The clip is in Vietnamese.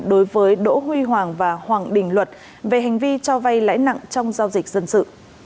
đối với đỗ huy hoàng và hoàng đình luật về hành vi cho vay lãi nặng trong giao dịch dân sự